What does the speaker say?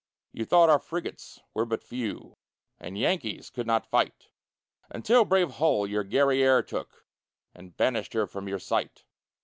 You thought our frigates were but few And Yankees could not fight, Until brave Hull your Guerrière took And banished her from your sight.